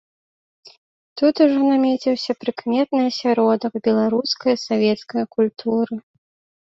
Тут ужо намеціўся прыкметны асяродак беларускае савецкае культуры.